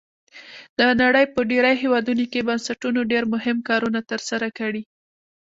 د نړۍ په ډیری هیوادونو کې بنسټونو ډیر مهم کارونه تر سره کړي.